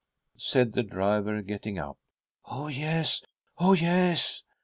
said the driver, getting up. " Oh, yes ; oh, yes